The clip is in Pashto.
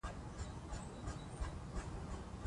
تعلیم لرونکې میندې د ماشومانو د ناروغۍ پر وخت پاملرنه کوي.